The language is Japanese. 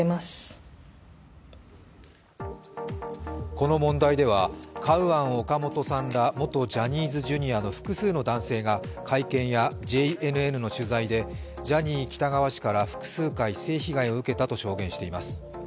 この問題ではカウアン・オカモトさんら元ジャニーズＪｒ．の複数の男性が会見やＪＮＮの取材でジャニー喜多川氏から複数回性被害を受けたと証言しています。